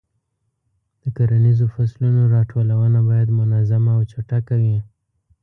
د کرنیزو فصلونو راټولونه باید منظمه او چټکه وي.